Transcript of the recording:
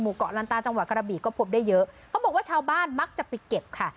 เกาะลันตาจังหวัดกระบีก็พบได้เยอะเขาบอกว่าชาวบ้านมักจะไปเก็บค่ะ